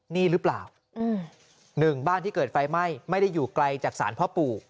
นี่หรือเปล่าหนึ่งบ้านที่เกิดไฟไหม้ไม่ได้อยู่ไกลจากศาลพ่อปู่